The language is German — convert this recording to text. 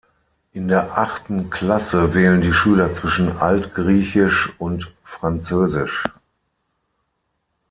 In der achten Klasse wählen die Schüler zwischen Altgriechisch und Französisch.